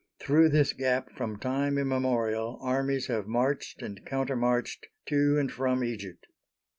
Through this gap from time immemorial armies have marched and counter marched to and from Egypt.